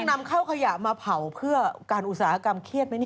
นำเข้าขยะมาเผาเพื่อการอุตสาหกรรมเครียดไหม